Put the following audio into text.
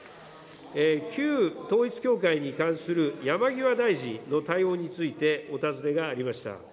旧統一教会に関する山際大臣の対応について、お尋ねがありました。